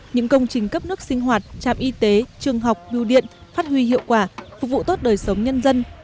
những công trình cấp nước sinh hoạt trạm y tế trường học biêu điện phát huy hiệu quả phục vụ tốt đời sống nhân dân